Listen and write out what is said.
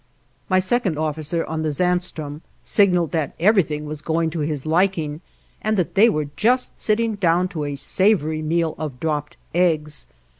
My second officer on the "Zaanstroom" signaled that everything was going to his liking and that they were just sitting down to a savory meal of dropped eggs.